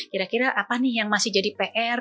kira kira apa nih yang masih jadi pr